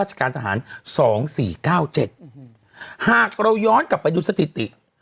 หากเราย้อนกลับไปดูสถิติ